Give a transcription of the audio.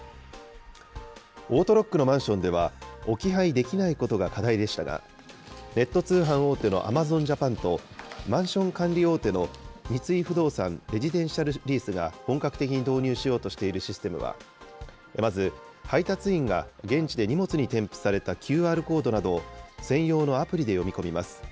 オートロックのマンションでは、置き配できないことが課題でしたが、ネット通販大手のアマゾンジャパンと、マンション管理大手の三井不動産レジデンシャルリースが本格的に導入しようとしているシステムは、まず配達員が現地で荷物に添付されたＱＲコードなどを専用のアプリで読み込みます。